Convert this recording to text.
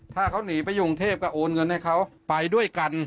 ถ้าเขาหนีไปอยู่กรุงเทพก็โอนเงินให้เขาไปด้วยกัน